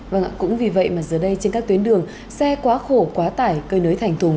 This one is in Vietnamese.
vâng ạ cũng vì vậy mà giờ đây trên các tuyến đường xe quá khổ quá tải cơi nới thành thùng